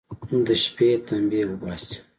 د شپې تمبې اوباسي.